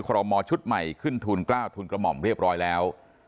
รมอชุดใหม่ขึ้นทูล๙ทุนกระหม่อมเรียบร้อยแล้ว